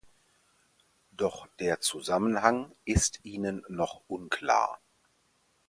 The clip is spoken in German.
Doch der Zusammenhang ist ihnen noch unklar.